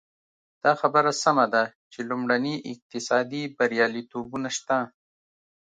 دا خبره سمه ده چې لومړني اقتصادي بریالیتوبونه شته.